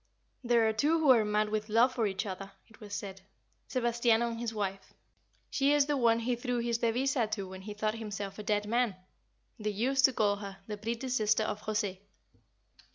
"There are two who are mad with love for each other," it was said. "Sebastiano and his wife. She is the one he threw his devisa to when he thought himself a dead man. They used to call her 'the pretty sister of Jose.